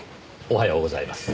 おはようございます。